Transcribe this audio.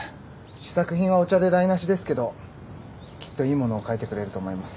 試作品はお茶で台無しですけどきっといいものを書いてくれると思います。